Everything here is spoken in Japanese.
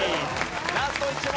ラスト１問！